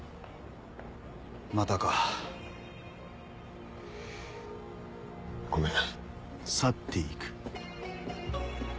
またか。ごめん。